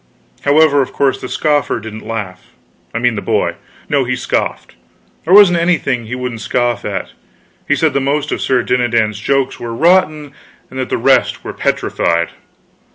However, of course the scoffer didn't laugh I mean the boy. No, he scoffed; there wasn't anything he wouldn't scoff at. He said the most of Sir Dinadan's jokes were rotten and the rest were petrified.